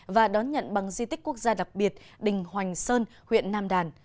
một nghìn ba mươi hai nghìn hai mươi và đón nhận bằng di tích quốc gia đặc biệt đình hoành sơn huyện nam đàn